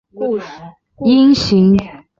凫庄因形似野鸭浮水而得名。